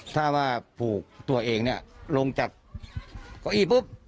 ถ้าว่าผูกตัวเองเนี่ยลงจากเก้าอี้ปุ๊บ